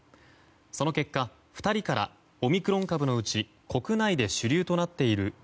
その結果２人からオミクロン株のうち国内で主流となっているＢＡ．